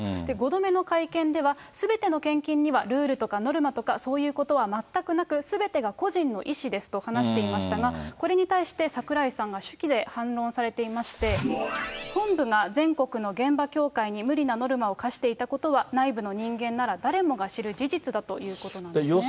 ５度目の会見では、すべての献金にはルールとかノルマとか、そういうことは全くなく、すべてが個人の意思ですと話していましたが、これに対して櫻井さんが手記で反論されていまして、本部が全国の現場教会に無理なノルマを課していたことは、内部の人間なら誰もが知る事実だということなんですね。